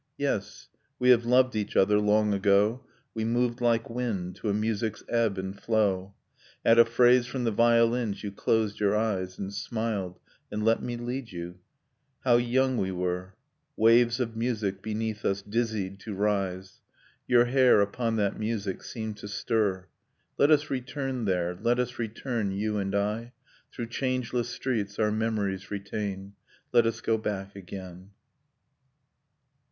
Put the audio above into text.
.. Yes, we have loved each other, long ago, We moved like wind to a music's ebb and flow ... At a phrase from the violins you closed your eyes, And smiled, and let me lead you ... how young we were ! Waves of music beneath us dizzied to rise ... Your hair, upon that music, seemed to stir ... Let us return there, let us return, you and I, Through changeless streets our memories retain, Let us go back again.